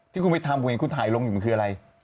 ที่คุณไปทำคุณเห็นคุณถ่ายลงอยู่มันคืออะไร